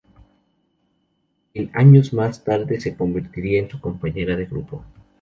Quien años más tarde se convertiría en su compañera de grupo.